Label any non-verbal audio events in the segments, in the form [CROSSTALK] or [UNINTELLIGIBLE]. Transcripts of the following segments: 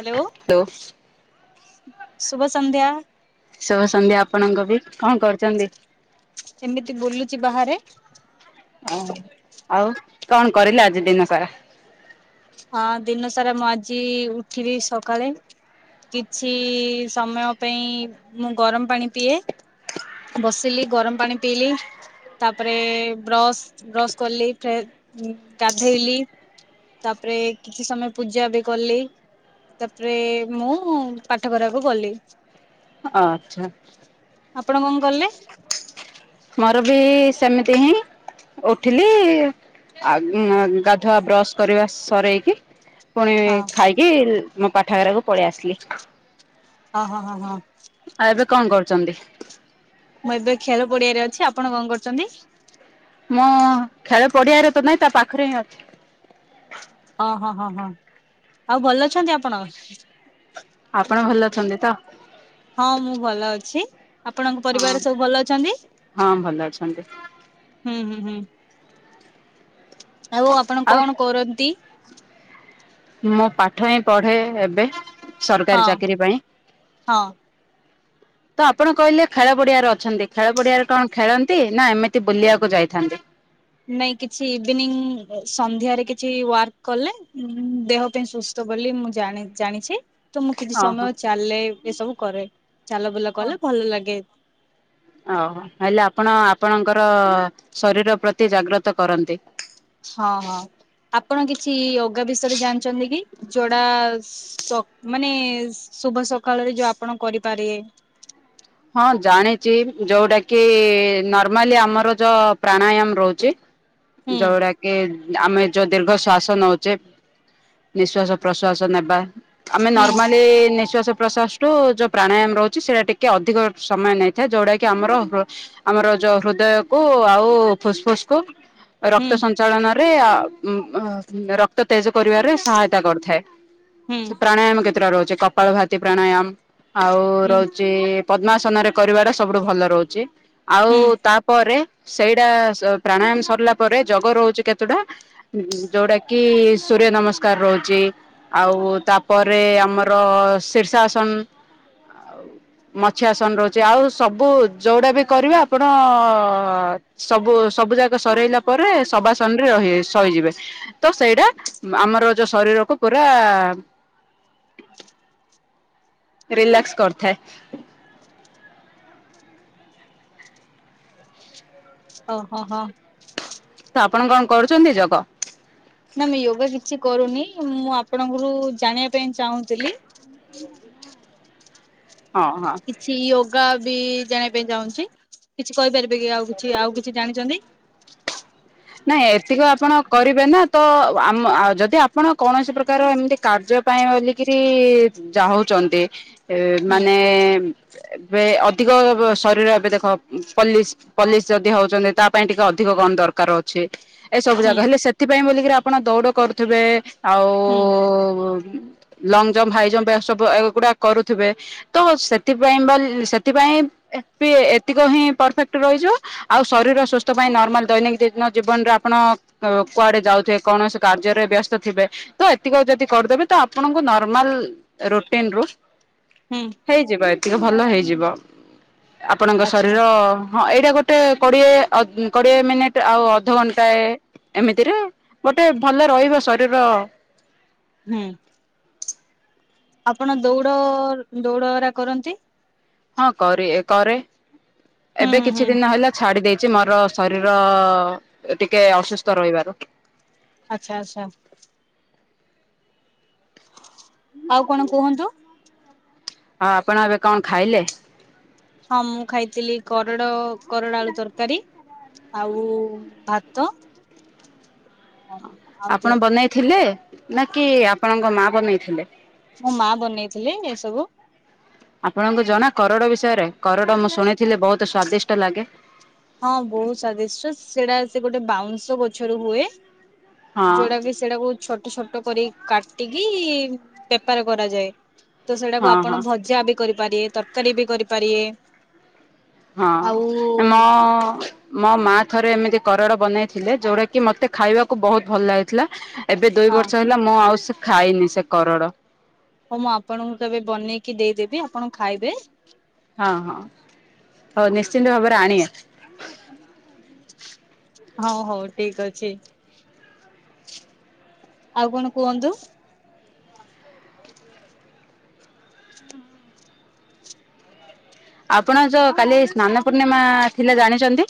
Hello ଶୁଭସନ୍ଧ୍ୟା। ଶୁଭ ସନ୍ଧ୍ୟା ଆପଣଙ୍କୁ ବି କଣ କରୁଛନ୍ତି? ଏମିତି ବୁଲୁଚି ବାହାରେ। ଓ ଆଉ କଣ କରିଲେ ଆଜି ଦିନ ସାରା? ହଁ ଦିନ ସାରା ମୁଁ ଆଜି ଉଠିବି ସକାଳେ କିଛି ସମୟ ପାଇଁ ମୁଁ ଗରମ ପାଣି ପିଏ। ବସିଲି ଗରମ ପାଣି ପିଇଲି। ତାପରେ ବ୍ରସ୍ ବ୍ରସ୍ କଲି, ଫେର ଗାଧେଇଲି। ତାପରେ କିଛି ସମୟ ପୂଜା ବି କଲି। ତାପରେ ମୁଁ ପାଠ କରିବାକୁ ଗଲି। ଆଚ୍ଛା। ଆପଣ କଣ କଲେ? ମୋର ବି ସେମିତି ହିଁ। ଉଠିଲି ଗାଧୁଆ ବ୍ରଶ କରିବା ସରେଇକି ପୁଣି ହଁ ଖାଇକି ମୋ ପାଠାଗାରାକୁ ପଳେଇ ଆସିଲି। ହଁ ହଁ ହଁ ହଁ। ଆଉ ଏବେ କଁ କରୁଛନ୍ତି? ମୁଁ ଏବେ ଖେଳ ପଡିଆରେ ଅଛି, ଆପଣ କଁ କରୁଛନ୍ତି? ମୁଁ ଖେଳ ପଡିଆରେ ତ ନାଇଁ ତା ପାଖରେ ହିଁ ଅଛି। ଓଁ ହଁ ହଁ ହଁ ଆଉ ଭଲ ଅଛନ୍ତି ଆପଣ? ଆପଣ ଭଲ ଅଛନ୍ତି ତ? ହଁ ମୁଁ ଭଲ ଅଛି, ଆପଣଙ୍କ ହଁ ପରିବାରେ ସବୁ ଭଲ ଅଛନ୍ତି? ହଁ ଭଲ ଅଛନ୍ତି। ହୁଁ ହୁଁ ହୁଁ। ଆଉ ଆପଣ କଣ କରନ୍ତି? ମୁଁ ପାଠ ହିଁ ପଢେ ଏବେ ସରକାରୀ ହଁ ଚାକିରି ପାଇଁ। ହଁ ତ ଆପଣ କହିଲେ ଖେଳ ପଡିଆରେ ଅଛନ୍ତି ଖେଳ ପଡିଆରେ କଣ ଖେଳନ୍ତି ନା ଏମିତି ବୁଲିବାକୁ ଯାଇଥାନ୍ତି? ନାଇଁ କିଛି ଇଭିନିଂ ସନ୍ଧ୍ୟାରେ କିଛି ୱାର୍କ କଲେ ଦେହ ପାଇଁ ତ ବୋଲି ମୁଁ ଜାଣି ଜାଣିଛି। ତ ମୁଁ କିଛି ଓହୋ ହଁ। ସମୟ ଚାଲେ ଏସବୁ କରେ ଚାଲ ବୁଲା ହଁ। କଲେ ଭଲ ଲାଗେ। ଓହୋ ହେଲେ ଆପଣ ଆପଣଙ୍କର ଶରୀର ପ୍ରତି ଜାଗ୍ରତ କରନ୍ତି। ହଁ ହଁ ଆପଣ କିଛି ଅଗା ବିଷୟରେ ଜାଣିଛନ୍ତି କି ଯୋଡା ମାନେ ଶୁଭ ସକାଳରେ ଯୋଉ ଆପଣ କରିପାରେ ହଁ ଜାଣିଛି ଯୋଉଟା କି ନର୍ମାଲି ଆମର ଜୋ ପ୍ରାଣାୟାମ ରହୁଛି। ହୁଁ ଯଉଡା କି ଆମେ ଯୋଉ ଦୀର୍ଘ ଶ୍ଵାସ ନଉଛେ ନିଶ୍ଵାସ ପ୍ରଶ୍ଵାସ ନେବା ଆମେ ହୁଁ ନର୍ମାଲି ନିଶ୍ଵାସ ପ୍ରସ୍ୱାସଠୁ ଯୋଉ ପ୍ରାଣାୟାମ ରହୁଛି ସେଟା ଟିକେ ଅଧିକ ସମୟ ନେଇଥାଏ ଯୋଉଟା କି ଆମର ଆମର ଯୋଉ ହୃଦୟକୁ ଆଉ ଫୁସଫୁସ୍ କୁ ହୁଁ ରକ୍ତ ସଞ୍ଚାଳନା ରେ ରକ୍ତ ତେଜ କରିବାରେ ସହାୟତା କରିଥାଏ। ହୁଁ ସେ ପ୍ରାଣାୟାମ କେତେଟା ରହୁଛି କପାଳ ଭାତି ପ୍ରାଣାୟାମ ଆଉ ହୁଁ ରହୁଛି ପଦ୍ମାସନରେ କରିବାଟା ସବୁଠୁ ଭଲ ରହୁଛି ଆଉ ହୁଁ ତା ପରେ ସେଇଟା ପ୍ରାଣାୟାମ ସରିଲା ପରେ ଜଗ ରହୁଛି କେତେଟା ଯୋଉଟା କି ସୂର୍ଯ୍ୟ ନମସ୍କାର ରହୁଛି ଆଉ ତାପରେ ଆମର ଶୀର୍ଷାସନ ମଛି ଆସନ ରହୁଛି ଆଉ ସବୁ ଯୋଉଟା ବି କରିବେ ଆପଣ ସବୁ ସବୁ ଯାକ ସରେଇଲା ପରେ ସବାସନ ରେ ରହି ସହିଯିବେ ତ ସେଇଟା ଆମର ଯୋଉ ଶରୀରକୁ ପୁରା ରିଲାକ୍ସ କରିଥାଏ। ଓ ହୋ ହଁ। ତ ଆପଣ କଣ କରୁଛନ୍ତି ଯଗ? ନା ମୁଁ ୟୋଗା କିଛି କରୁନି ମୁଁ ଆପଣଙ୍କରୁ ଜାଣିବା ପାଇଁ ଚାହୁଁଥିଲି [INAUDIBLE] ହଁ ହଁ। କି ୟୋଗା ବି ଜାଣିବା ପାଇଁ ଚାହୁଁଛି କିଛି କହିପାରିବେ କି ଆଉ କିଛି ଆଉ କିଛି ଜାଣିଛନ୍ତି? ନାଇଁ ଏତିକ ଆପଣ କରିବେ ନା ତ ଆମ ଆଉ ଯଦି ଆପଣ କୌଣସି ପ୍ରକାର ଏମିତି କାର୍ଯ୍ୟ ପାଇଁ ବୋଲିକରି ଯାହୁଛନ୍ତି ହୁଁ ମାନେ ଏବେ ଅଧିକ ଶରୀର ଏବେ ଦେଖ ପଲିସ୍ ପଲିସ୍ ଯଦି ହଉଛନ୍ତି ତା ପାଇଁ ଟିକେ ଅଧିକ କଣ ଦରକାର ଉଛି ଏ ସବୁ ହୁଁ ଜାଗ ହେଲେ ସେଥିପାଇଁ ବୋଲିକିରି ଆପଣ ଦୌଡ କରୁଥିବେ ଆଉ ହୁଁ ଲଙ୍ଗ ଜମ୍ପ ହାଇ ଜମ୍ପ ଏସବୁ ଏଗୁଡା କରୁଥିବେ ତ ସେଥିପାଇଁ ବା ଲ ସେଥିପାଇଁ ଏପି ଏତିକ ହିଁ ପରଫେକ୍ଟ ରହିଯିବ ଆଉ ଶରୀର ସୁସ୍ଥ ପାଇଁ ନମାଲ ଦୈିନିକ୍ ଦେ ଆଣଙ୍କ ଜୀବନରେ ଆପଣ କୁଆଡେ ଯାଉଥିବେ କୌଣସି କାର୍ଯ୍ୟରେ ବ୍ୟସ୍ତ ଥିବେ ତ ଏତିକ ଯଦି କରିଦେବେ ତ ଆପଣଙ୍କୁ ନର୍ମାଲ ରୁଟିନ ରୁ ହୁଁ। ହେଇଯିବ ଏତିକ ଭଲ ହେଇଯିବ ଆପଣଙ୍କ ଆଚ୍ଛା। ଶରୀର ହଁ ଏଇଟା ଗୋଟେ କୋଡିଏ ଆ କୋଡିଏ ମିନିଟ ଟେ ଆଉ ଅଧଘଣ୍ଟାଏ ଏମିତିରେ ଗୋଟେ ଭଲ ରହିବ ଶରୀର ହୁଁ। ଆପଣ ଦୌଡ଼ ଦୌଡ଼ଗୁରା କରନ୍ତି ହଁ କରେ କରେ ହୁଁ ଏବେ ହୁଁ କିଛି ହୁଁ ଦିନ ହେଲା ଛାଡି ଦେଇଛି ମର ଶରୀର ଟିକେ ଅସୁସ୍ଥ ରହିବାରୁ ଆଚ୍ଛା ଆଚ୍ଛା। ଆଉ କଣ କୁହନ୍ତୁ? ଆ ଆପଣ ଏବେ କଣ ଖାଇଲେ? ହଁ ମୁଁ ଖାଇଥିଲି କରଡ଼ କରଡ଼ା ଆଳୁ ତରକାରୀ ଆଉ ଭାତ। ଆଉ ଦେ ଆପଣ ବନେଇଥିଲେ ନା କି ଆପଣଙ୍କ ମା ବନେଇଥିଲେ? ମୋ ମା ବନେଇଥିଲେ ଏସବୁ। ଆପଣଙ୍କୁ ଜଣା କରଡ଼ ବିଷୟରେ? କରଡ଼ ମୁଁ ଶୁଣିଥିଲି ବହୁତ ସ୍ଵାଦିଷ୍ଟ ଲାଗେ। ହଁ ବହୁତ ସ୍ଵାଦିଷ୍ଟ ସେଟା ସେ ଗୋଟେ ବାଉଁଶ ଗଛରୁ ହୁଏ। ହଁ ଯୋଉଟା କି ସେଟାକୁ ଛୋଟ ଛୋଟ କରି କାଟିକି ବେପାର କରାଯାଏ। ତ ସେଇଟାକୁ ହଁ ଆପଣ ହଁ ଭଜା ବି କରିପାରିବେ ତରକାରୀ ବି କରିପାରିବେ। ଆଉ ହଁ ମୋ ମୋ ମା ଥରେ ଏମିତି କରଡ଼ ବନେଇଥିଲେ ଯୋଉଟା କି ମତେ ଖାଇବାକୁ ବହୁତ ଭଲ ଲାଗିଥିଲା ଏବେ ଦୁଇ ହଁ ବର୍ଷ ହେଲା ମୁଁ ଆଉ ସେ ଖାଇନି ସେ କରଡ଼। ହ ମୁଁ ଆପଣଙ୍କୁ କେବେ ବନେଇକି ଦେଇଦେବି ଆପଣ ଖାଇବେ। ହଁ ହଁ ହଉ ନିଶ୍ଚିନ୍ତ ଭାବରେ ଆଣିଏ। ହଉ ହଉ ଠିକ ଅଛି। ଆଉ କଣ କୁହନ୍ତୁ? ହଁ [INAUDIBLE] ଆପଣ ଯଉ କାଲି ସ୍ନାନ ପୂର୍ଣ୍ଣିମା ଥିଲା ଜାଣିଚନ୍ତି?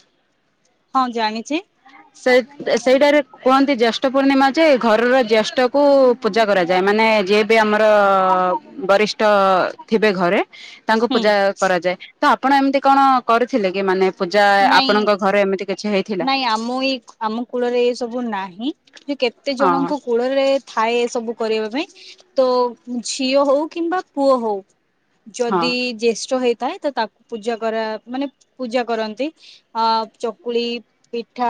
ହଁ ଜାଣିଚି। ସେ ସେଇଟାରେ କୁହନ୍ତି ଜେଷ୍ଠ ପୂର୍ଣ୍ଣିମା ଯେ ଘରର ଜ୍ୟେଷ୍ଠ କୁ ପୂଜା କରାଯାଏ। ମାନେ ଯିଏ ବି ଆମର ବରିଷ୍ଠ ଥିବେ ଘରେ ତାଙ୍କୁ ହୁଁ ପୂଜା କରାଯାଏ ତ ଆପଣ ଏମିତି କଣ କରିଥିଲେ କି ମାନେ ପୂଜା ନାଇଁ ଆପଣଙ୍କ ଘରେ ଏମିତି କିଛି ହେଇଥିଲା? ନାଇଁ ଆମ ଏ ଆମ କୂଳରେ ଏ ସବୁ ନାହିଁ। କେତେ ହଁ ଜଣଙ୍କ କୂ ଳ ରେ ଥାଏ ଏ ସବୁ କରିବା ପାଇଁ। ତ ଝିଅ ହଉ କିମ୍ବା ପୁଅ ହଉ ହଁ ଯଦି ଜ୍ୟେଷ୍ଠ ହେଇଥାଏ ତ ତାକୁ ପୂଜା କରା ମାନେ ପୂଜା କରନ୍ତି ଅ ଚକୁଳି ପିଠା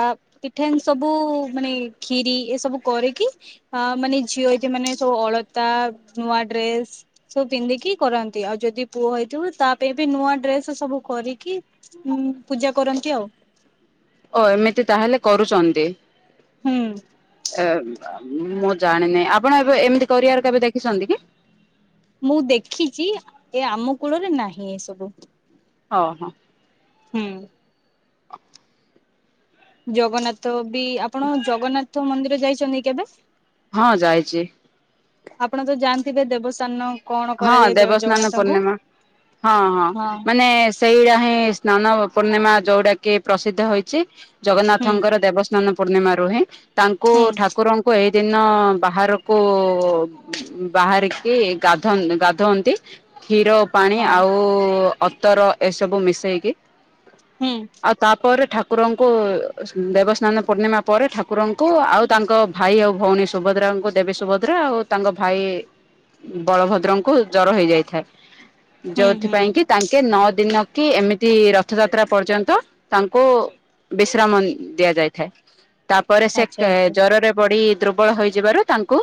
ପିଠା ଏମିତି ସବୁ ମାନେ ଖିରି ଏସବୁ କରିକି ଅ ମାନେ ଝିଅ ଏଠି ମାନେ ସବୁ ଅଳତା ନୂଆ ଡ୍ରେସ୍ ସବୁ ପିନ୍ଧିକି କରାନ୍ତି। ଆଉ ଯଦି ପୁଅ ହେଇଥିବ ତା ପାଇଁ ବି ନୂଆ ଡ୍ରେସ ସବୁ କରିକି ପୂଜା କରନ୍ତି ଆଉ। ଓ ଏମିତି ତାହେଲେ କରୁଚନ୍ତି? ହୁଁ। ଏ ଏମ ମୁଁ ଜାଣିନି ଆପଣ ଏବେ ଏମିତି କରିବାର କେବେ ଦେଖିଛନ୍ତି କି? ମୁଁ ଦେଖିଚି ଏ ଆମ କୂଳରେ ନାହିଁ ଏସବୁ। ହଁ ହଁ। ହୁଁ। ଜଗନ୍ନାଥ ବି ଆପଣ ଜଗନ୍ନାଥ ମନ୍ଦିର ଯାଇଚନ୍ତି କେବେ? ହଁ ଯାଇଚି। ଆପଣ ତ ଜାଣିଥିବେ ଦେବସ୍ନାନ କଣ ହଁ କରାଯାଏ ଦେବସ୍ନାନ ଜଗନ୍ନାଥଙ୍କୁ? ପୂର୍ଣ୍ଣିମା ହଁ ହଁ ମାନେ ସେଇଟା ହିଁ ସ୍ନାନ ପୂର୍ଣ୍ଣିମା ଯୋଉଟା କି ପ୍ରସିଦ୍ଧ ହୋଇଚି ହୁଁ ଜଗନ୍ନାଥଙ୍କର ଦେବ ସ୍ନାନ ପୂର୍ଣ୍ଣିମା ରୁହେ। ତାଙ୍କୁ ହୁଁ ଠାକୁର ଏଇ ଦିନ ବାହାରକୁ ବାହାରିକି ଗା ଧାନ ଗାଧାନ୍ତି କ୍ଷୀର ପାଣି ହଁ ଆଉ ଅତର ଏସବୁ ମିଶେଇକି। ହୁଁ। ଆଉ ତାପରେ ଠାକୁରଙ୍କୁ ଦେବସ୍ନାନ ପୂର୍ଣ୍ଣିମା ପରେ ଠାକୁରଙ୍କୁ ଆଉ ତାଙ୍କ ଭାଇ ଆଉ ଭଉଣୀ ସୁଭଦ୍ରାଙ୍କୁ ଦେବୀ ସୁଭଦ୍ରା ଆଉ ତାଙ୍କ ଭାଇ ବଳଭଦ୍ରଙ୍କୁ ଜର ହେଇଯାଇଥାଏ। ହୁଁ ହୁଁ ଯୋଉଥିପାଇ କି ତାଙ୍କେ ନଅ ଦିନ କି ଏମିତି ରଥଯାତ୍ରା ପର୍ଯ୍ୟନ୍ତ ତାଙ୍କୁ ବିଶ୍ରାମନ୍ ଦିଆ ଯାଇଥାଏ। ତାପରେ ସେ ଆଚ୍ଛା କେ ଆଚ୍ଛା ଜରରେ ପଡି ଦୁର୍ବଳ ହୋଇଯିବାରୁ ତାଙ୍କୁ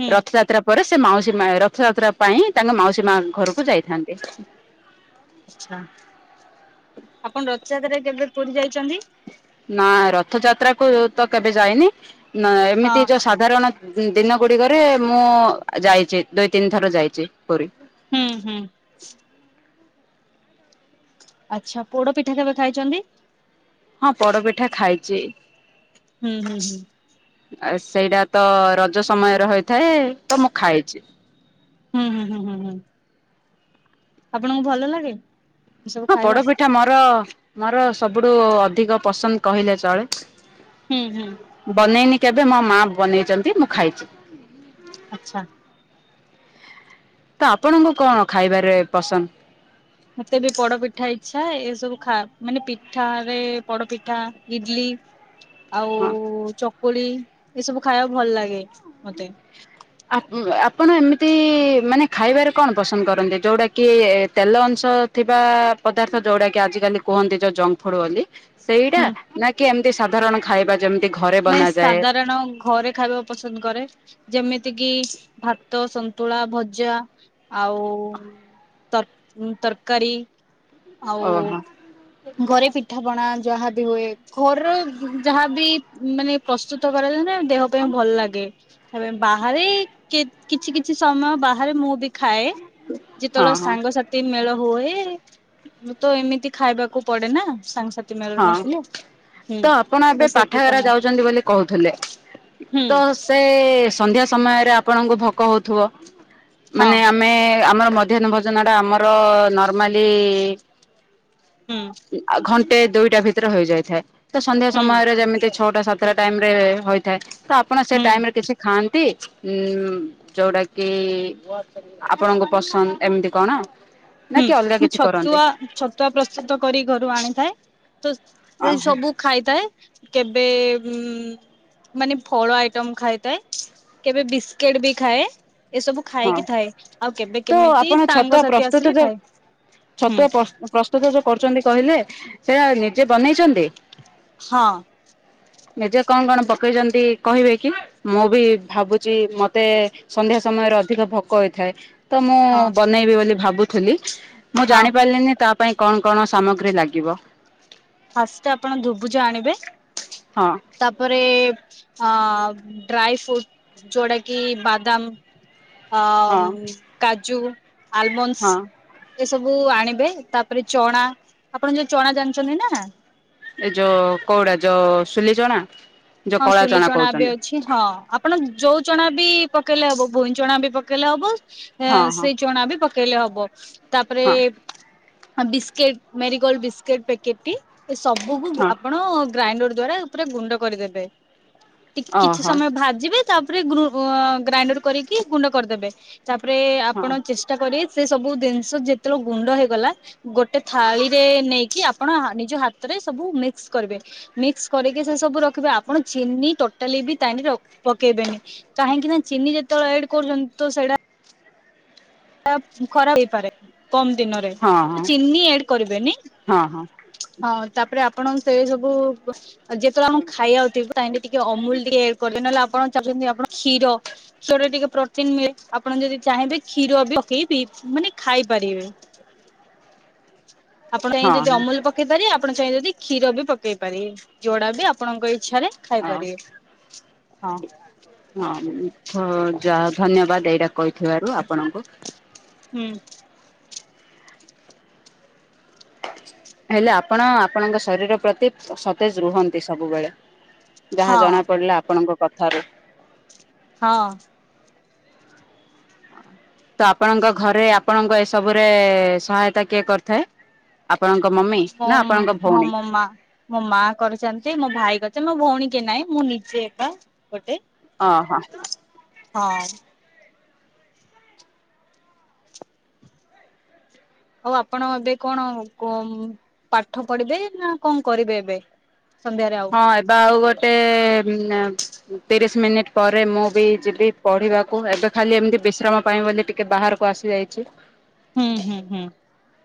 ହୁଁ ରଥଯାତ୍ରା ପରେ ସେ ମାଉସୀ ମା ରଥଯାତ୍ରା ପାଇଁ ତାଙ୍କ ମାଉସୀ ମା ଘରକୁ ଯାଇଥାଆନ୍ତି। ଆଛା ଆପଣ ରଥଯାତ୍ରାରେ କେବେ ପୁରୀ ଯାଇଛନ୍ତି? ନା ରଥଯାତ୍ରା କୁ ତ କେବେ ଯାଇନି ନା ଏମିତି ହଁ ଯୋଉ ସା ଧାରଣ ଦିନ ଗୁଡିକରେ ମୁଁ ଯାଇଛି ଦୁଇ ତିନି ଥର ଯାଇଛି ପୁରୀ। ହୁଁ ହୁଁ। ଆଚ୍ଛା ପୋଡ ପିଠା କେବେ ଖାଇଛନ୍ତି? ହଁ ପୋଡପିଠା ଖାଇଛି। ହୁଁ ହୁଁ ହୁଁ। ଆ ସେଇଟା ତ-ଅ-ଅ ରଜ ସମୟରେ ହୋଇଥାଏ ତ ମୁଁ ଖାଇଛି। ହୁଁ ହୁଁ ହୁଁ ହୁଁ ହୁଁ। ଆପଣଙ୍କୁ ଭଲ ଲାଗେ? ଏ ସବୁ ହଁ ଖାଇବା? ପୋଡପିଠା ମୋର ମୋର ସବୁଠୁ-ଉ-ଉ ଅଧିକ ପସନ୍ଦ କହିଲେ ଚଳେ। ହୁଁ ହୁଁ। ବନେଇନି କେବେ ମୋ ମା ବନେଇଛନ୍ତି ମୁଁ ଖାଇଛି। ଆଚ୍ଛା। ତ ଆପଣଙ୍କୁ କଣ ଖାଇବାରେ ପସନ୍ଦ? ମତେ ବି ପୋଡପିଠା ଇଚ୍ଛା ଏସବୁ ଖା ମାନେ ପିଠାରେ ପୋଡପିଠା, ଇଡଲି ହଁ? ଆଉ-ଉ-ଉ ଚକୁଳି ଏସବୁ ଖାଇବାକୁ ଭଲ ଲାଗେ ମତେ। ଆପ ଆପଣ ଏମିତି-ଇ-ଇ-ଇ ମାନେ ଖାଇବାରେ କଣ ପସନ୍ଦ କରନ୍ତି, ଯେଉଟାକି-ଇ-ଇ ତେଲ ଅଂଶ ଥିବା-ଆ-ଆ ପଦାର୍ଥ ଯୋଉଡା କି ଆଜିିକାଲି କୁହନ୍ତି ଯୋଉ ଜଙ୍କ ଫୁଡ ବୋଲି। ସେଇଟା ହୁଁ ନା କି ଏମିତି ସାଧାରଣ ଖାଇବା ଯେମ୍ ନାଇଁ ସାଧାରଣ ଘରେ ଖାଇବା ପସନ୍ଦ କରେ ଯେମିତି କିି ଭାତ, ସନ୍ତୁଳା, ଭଜା ଆଉ-ଉ-ଉ ତର୍ ତରକାରୀ ଓହୋ ଆଉ-ଉ ହଁ ଘରେ ପିଠାପଣା ଯାହାବି ହୁଏ। ଘରର ଯାହାବି ମାନେ ପ୍ରସ୍ତୁତ କରାଯାଏ ନା ଦେହ ପାଇଁ ଭଲ ଲାଗେ। ରେ ବାହାରେ କେ କିଛି କିଛି ସମୟ ବାହାରେ ମୁଁ ବି ଖାଏ। ଯେତେବେଳେ ହଁ ସାଙ୍ଗସାଥ୍ ଇ ମେଳ ହୁଏ ତ ଏମିତି ଖାଇବାକୁ ପଡେ ନା ସାଙ୍ଗସାଥ୍ ଯେ ମେଳରେ ହଁ। ମିଶିଲେ ହୁଁ ସେ [UNINTELLIGIBLE] ଏରା ଯାଉଛନ୍ତି ବୋଲି କହୁଥିଲେ ହୁଁ ତ ମୋତେ-ଏ-ଏ-ଏ -ସନ୍ଧ୍ୟାଏ ସମୟରେ ଆପଣଙ୍କୁ ଭୋକ ହଉଥିବ ହଁ ମାନେ ଆମେ ଆମର ମଧ୍ୟାହ୍ନ ଭୋଜନଟା ଆମର-ଅ-ଅ ନର୍ମାଲି-ଇ-ଇ-ଇ ହୁଁ। ଆଉ ଘଣ୍ଟେ ଦୁଇଟା ଭିତରେ ହେଇଯାଇଥାଏ ତ ସନ୍ଧ୍ୟା ହୁଁ। ସମୟରେ ଯେମିତି ଛଅଟା ସାତଟା ଟାଇମରେ ହୋଇ ଥାଏ ତ ଆପଣ ସେ ହୁଁ ଟାଇମ ରେ କିଛି ଖାଆନ୍ତି? ଉଁ-ଉ-ଉ-ଉ ଯୋଉଟା କି ଆପଣଙ୍କ ପସନ୍ଦ ଏମିତି କଣ? ନା ହୁଁ କି ଅଲଗା ମୁଁ କିଛି କରନ୍ତି ଛତୁଆ ଛତୁଆ ପ୍ରସ୍ତୁତ କରି ଘରୁ ଆଣିଥାଏ ତ ସେ ଓହୋ ସବୁ ଖାଇଥାଏ କେବେ-ଏ-ଏ ଉ-ଉ ମାନେ ଫଳ ଆଇଟମ ଖାଇଥାଏ କେବେ ବିସ୍କୁିଟ ବି ଖାଏ। ଏସବୁ ହଁ ଖାଇକି ଥାଏ ଆଉ କେବେ ତ କେମିତି ଆପଣ ଛତୁଆ ସାଙ୍ଗସାଥି ପ୍ରସ୍ତୁତ ଆସିଲେ ଯୋଉ ଖାଏ ହୁଁ ଛତୁଆ ପ୍ରସ୍ତୁତ ଯୋଉ କରୁଛନ୍ତି କହିଲେ ସେଇୟା ନିଜେ ବନେଇଛନ୍ତି। ହଁ। ନିଜେ କଣ କଣ ପକେଇଛନ୍ତି କହିବେ କି ମୁଁ ବି ଭାବୁଛି ମତେ-ଏ ସନ୍ଧ୍ୟା ସମୟରେ ର ଅଧିକ ଭୋକ ହେଇଥାଏ ତ ମୁଁ ହଁ ବନେଇବି ବୋଲି ଭାବୁଥିଲି ମୁଁ ହଁ ଜାଣି ପାରିଲିନି ତା ପାଇଁ କଣ କଣ ସାମଗ୍ରୀ ଲାଗିବ ଫାଷ୍ଟ ଆପଣ ଧୁବୁଜ ଆଣିବେ। ହଁ। ତାପରେ ଅ ଡ୍ରାଇ ଫ୍ରୁଟ ଯୋଉଟା କିି ବାଦାମ ଆ ହଁ କାଜୁ ହଁ ଆଲମନ୍ସ ଏସବୁ ଆଣିବେ ତାପରେ ଚଣା ଆପଣ ଯୋଉ ଚଣା ଜାଣିଛନ୍ତି ନା? ଏଇ ଯୋଉ କଉଡା ଯୋଉ ସୁଲି ଚଣା? ଯୋଉ ହଁ କଳା ସୁଲି ଚଣା ବି କହୁଛନ୍ତି ଅଛି ହଁ। ଆପଣ ଯୋଉ ଚଣା ବି ପକେଇଲେ ହବ ଭୂଇଁ ଚଣା ବି ପକେଇଲେ ହବ ହଁ ହଁ ସେଇ ଚଣା ବି ପ କେଇଲେ ହବ ତାପରେ ହଁ ବିସ୍କେଟ ମାରିଗୋଲ୍ଡ ବିସ୍କୁଟ ପ୍ୟାକେଟ ଟି ଏ ସବୁକୁୁ ହଁ ଆପଣ ଗ୍ରାଇଣ୍ଡର ଦ୍ଵାରା ଉପରେ ଗୁଣ୍ଡ କରିଦେବେ। କିଛି ଓହୋ ସମୟ ଭାଜିବେ ତାପରେ ଗ୍ରାଇଣ୍ଡର କରିକି ଗୁଣ୍ଡ କରିଦେବେ। ତାପରେ ହଁ। ଆପଣ ଚେଷ୍ଟା କରିବେ ସେ ସବୁ ଜିନିଷ ଯେତେବେଳେ ଗୁଣ୍ଡ ହେଇଗଲା ଗୋଟେ ଥାଳିରେ ନେଇକି ଆପଣ ନିଜ ହାତରେ ସବୁ ମିକ୍ସ କରିବେ ମିକ୍ସ କରିକି ସେ ସବୁ ରଖିବେ। ଆପଣ ଚିନି ଟୋଟାଲି ବି ତାନିରେ ପକେଇବେନି। କାହିଁକି ନା ଚିନି ଯେତେବେଳେ ଆଡ୍ କରୁଛନ୍ତି ତ ସେଇଟା ଖରାପ ହେଇପାରେ। କମ ଦିନରେ ହଁ ତ ହଁ ଚିନି ଆଡ କରିବେନି। ହଁ ହଁ ହଁ ତାପରେ ଆପଣ ସେ ସବୁ ଉ ଯେତେବେଳେ ଆପଣ ଖାଇଆାଉଥିବେ ତାହିଁ ଟିକେ ଅମୁଲ ଟିକେଡ କରିବେ ନହେଲେ ଆପଣ ଚାହୁଁଛନ୍ତି ଆପଣ କ୍ଷୀର କ୍ଷୀରରେ ଟିକେ ପ୍ରୋଟିନ ମିଳେ ଆପଣ ଯଦି ଚାହିଁବେ କ୍ଷୀର ବି ପକେଇ ମାନେ ଖାଇପାରିବେ। ଆପଣ ଚାହିଁ ହଁ ଯଦି ହଁ। ଅମୁଲ ପକେଇ ପାରିବେ ଆପଣ ଚାହିଁ ଯଦି କ୍ଷୀର ବି ପକେଇ ପାରିବେ। ଯୋଡା ବି ଆପଣଙ୍କ ଇଚ୍ଛାରେ ଖାଇପାରିବେ ହଁ ହଁ। ହଁ ଧନ୍ୟବାଦ ଏଇଟା କହିଥିବାରୁ ଆପଣଙ୍କୁ। ହୁଁ। ହେଲେ ଆପଣ ଆପଣଙ୍କ ଶରୀର ପ୍ରତି ସତେଜ ରୁହନ୍ତି ସବୁବେଳେ। ଯାହା ହଁ ଜଣା ପଡିଲା ଆପଣଙ୍କ କଥାରୁ। ହଁ। ତ ଆପଣଙ୍କ ଘରେ ଆପଣଙ୍କ ଏସବୁରେ ସହାୟତା କିଏ କରିଥାଏ? ଆପଣଙ୍କ ମମି ମୋ ନା ଆପଣଙ୍କ ହଁ ଭଉଣୀ? ମୋ ମା। ମୋ ମା କରିଛନ୍ତି ମୋ ଭାଇ କରିଛନ୍ତି ମୋ ଭଉଣୀ କି ନାଇଁ ମୁଁ ନିଜେ ଏକା ଗୋଟେ। ଓ ହୋ ହଁ। ଆଉ ଆପଣ ଏବେ କଣ ପାଠ ପଢିବେ ନା କଣ କରିବେ ଏବେ? ସନ୍ଧ୍ୟାରେ? ଆଉ। ହଁ ଏବେ ଆଉ ଗୋଟେ ତିରିଶ ମିନିଟ ପରେ ମୁଁ ବି ଯିବି ପଢିବାକୁ ଏବେ ଖାଲି ଏମିତି ବିଶ୍ରାମ ପାଇଁ ବୋଲି ଟିକେ ବାହାର କୁ ଆସିଯାଇଛି। ହୁଁ ହୁଁ ହୁଁ।